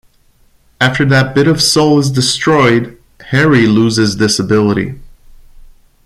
After that bit of soul is destroyed, Harry loses this ability.